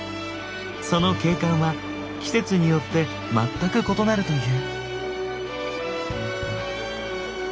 その景観は季節によって全く異なるという。